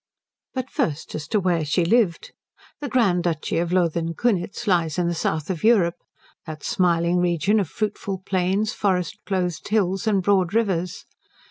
But first as to where she lived. The Grand Duchy of Lothen Kunitz lies in the south of Europe; that smiling region of fruitful plains, forest clothed hills, and broad rivers.